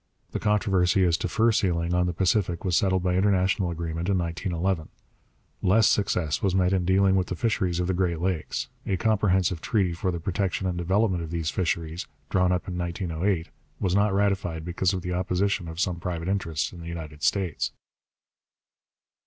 The controversy as to fur sealing on the Pacific was settled by international agreement in 1911. Less success was met in dealing with the fisheries of the Great Lakes. A comprehensive treaty for the protection and development of these fisheries, drawn up in 1908, was not ratified because of the opposition of some private interests in the United States.